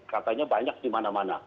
katanya banyak di mana mana